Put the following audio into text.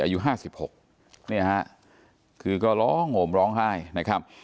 อายุห้าสิบหกนี่ฮะคือก็ร้องห่มร้องไห้นะครับ